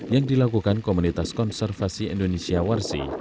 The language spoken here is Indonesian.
yang dilakukan komunitas konservasi indonesia warsi